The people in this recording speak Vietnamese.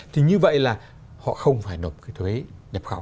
thì như vậy là họ không phải nộp cái thuế nhập khẩu